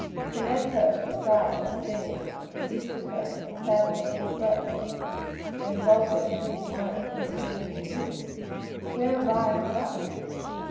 He led her to the side of her steed and assisted her into the saddle as he spoke, then vaulted into his own with the agility of youth. "But where are Vi and her brothers?"